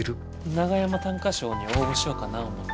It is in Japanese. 長山短歌賞に応募しようかな思て。